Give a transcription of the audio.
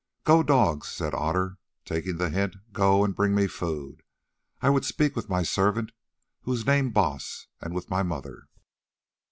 "Go, dogs!" said Otter, taking the hint; "go, and bring me food. I would speak with my servant, who is named Baas, and with my mother."